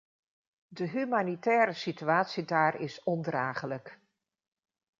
De humanitaire situatie daar is ondraaglijk.